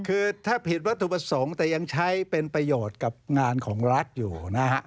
คือถ้าผิดวัตถุประสงค์แต่ยังใช้เป็นประโยชน์กับงานของรัฐอยู่นะฮะ